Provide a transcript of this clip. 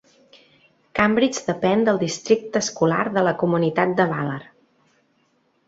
Cambridge depèn del Districte Escolar de la Comunitat de Ballard.